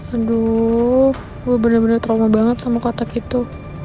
aduh gue bener bener trauma banget sama kotak itu